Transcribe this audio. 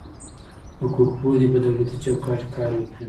حقوق پوه دي په دولتي چوکاټ کي کار وکي.